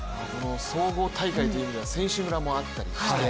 総合大会という意味では選手村もあったりして。